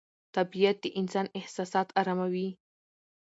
طبیعت د انسان احساسات اراموي